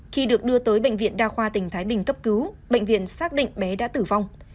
khi được đưa tới bệnh viện đa khoa tỉnh thái bình cấp cứu bệnh viện xác định bé đã tử vong